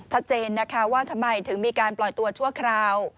ชัดเจนนะคะว่าทำไมถึงมีการปล่อยตัวชั่วคราว